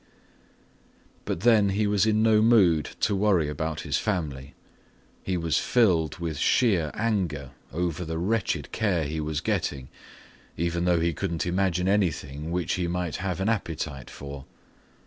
But then he was in no mood to worry about his family. He was filled with sheer anger over the wretched care he was getting, even though he couldn't imagine anything which he might have an appetite for.